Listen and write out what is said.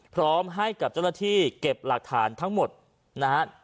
พร้อมกับเจ้าหน้าที่เก็บหลักฐานทั้งหมดนะฮะ